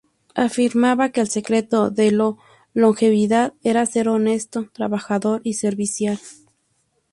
Afirmaba que el secreto de lo longevidad era ser honesto, trabajador y servicial.